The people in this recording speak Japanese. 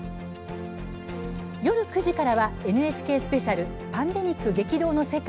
夜９時からはＮＨＫスペシャル「パンデミック激動の世界」